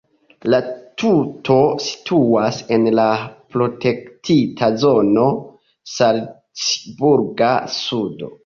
La tuto situas en la protektita zono "Salcburga sudo".